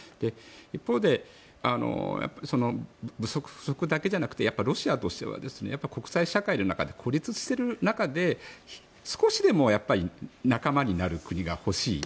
一方で、やっぱり不足だけじゃなくてロシアとしては国際社会の中で孤立している中で少しでも仲間になる国が欲しい。